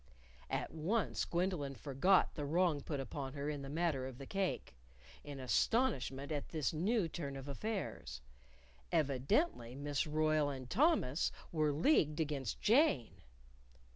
At once Gwendolyn forgot the wrong put upon her in the matter of the cake in astonishment at this new turn of affairs. Evidently Miss Royle and Thomas were leagued against Jane!